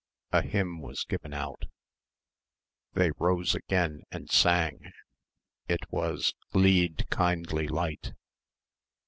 A hymn was given out. They rose again and sang. It was "Lead, Kindly Light."